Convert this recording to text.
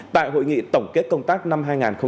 tại hội nghị tổng kết công tác năm hai nghìn hai mươi hai